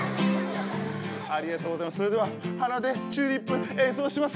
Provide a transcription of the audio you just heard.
ありがとうございます。